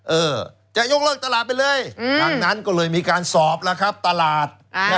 เออจะยกเลิกตลาดไปเลยดังนั้นก็เลยมีการสอบแล้วครับตลาด